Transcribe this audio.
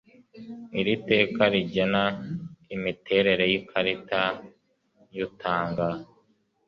iri teka rigena imiterere y ikarita y utanga